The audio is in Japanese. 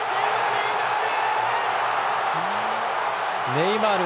ネイマール！